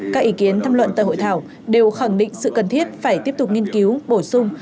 các ý kiến thăm luận tại hội thảo đều khẳng định sự cần thiết phải tiếp tục nghiên cứu bổ sung